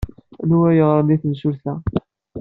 Anwa ay yeɣran i temsulta?